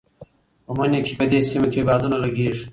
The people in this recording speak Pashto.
په مني کې په دې سیمه کې بادونه لګېږي.